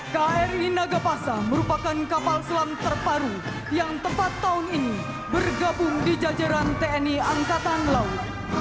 kri nagapasa merupakan kapal selam terparu yang tempat tahun ini bergabung di jajaran tni angkatan laut